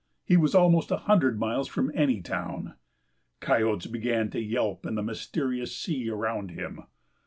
He was almost a hundred miles from any town. Coyotes began to yelp in the mysterious sea around him.